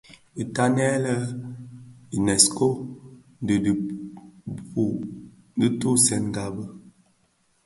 Bi tad anë lè Unesco dii di dhipud di tiisènga bi.